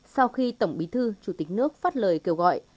sau khi tổng bí thư chủ tịch nước phát lời kêu gọi